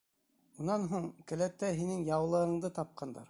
Унан һуң, келәттә һинең яулығыңды тапҡандар.